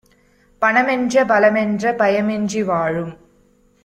பணமென்ற பலமென்ற பயமின்றி வாழும்